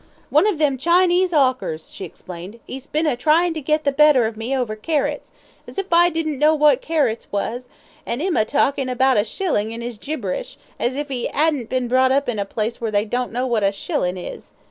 "One of them Chinese 'awkers," she explained, "'e's bin a tryin' to git the better of me over carrots as if I didn't know what carrots was and 'im a talkin' about a shillin' in his gibberish, as if 'e 'adn't been brought up in a place where they don't know what a shillin' is.